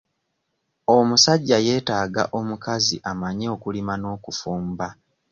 Omusajja yeetaaga omukazi amanyi okulima n'okufumba.